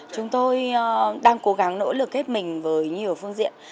chúng tôi đang cố gắng nỗ lực hết mình với nhiều phương diện